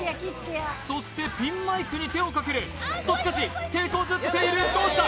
そしてピンマイクに手をかけるおっとしかし手こずっているどうした？